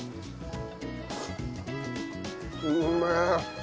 うめえ！